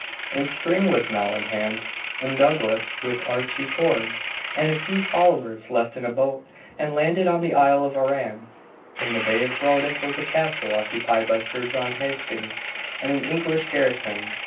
The spring was now at hand, and Douglas, with Archie Forbes and a few followers, left in a boat, and landed on the Isle of Arran. In the bay of Brodick was a castle occupied by Sir John Hastings and an English garrison.